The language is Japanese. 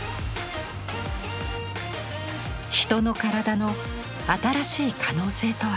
人の身体の新しい可能性とは。